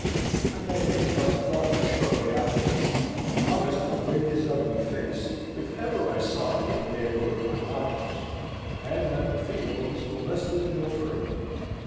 I met him in Covent Garden shortly after, and promised to break his ugly face if ever I saw it in the neighbourhood of my lodgings, and Madam Theo was molested no further.